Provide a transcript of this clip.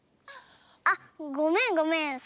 あっごめんごめん。